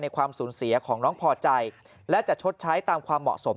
ความสูญเสียของน้องพอใจและจะชดใช้ตามความเหมาะสม